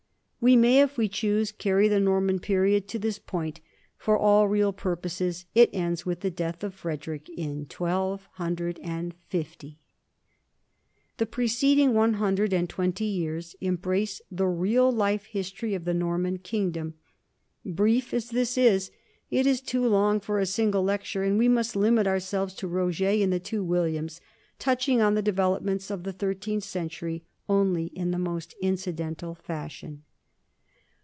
We may, if we choose, carry the Norman period to this point; for all real purposes it ends with the death of Frederick in 1250. The preced ing one hundred and twenty years embrace the real life history of the Norman kingdom. Brief as this is, it is too long for a single lecture, and we must limit our selves to Roger and the two Williams, touching on the developments of the thirteenth century only in the most incidental fashion.